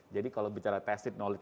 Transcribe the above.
jadi kalau bicara tested knowledge